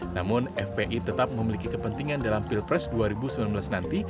namun fpi tetap memiliki kepentingan dalam pilpres dua ribu sembilan belas nanti